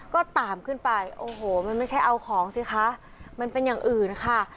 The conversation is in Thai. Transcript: ก็ตามขึ้นไปโอ้โหมันไม่ใช่เอาของสิคะมันเป็นอย่างอื่นค่ะ